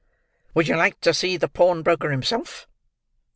"Would you like to see the pawnbroker himself?"